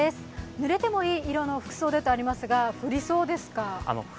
ぬれてもいい色の服装でとありますが、降りそうですか？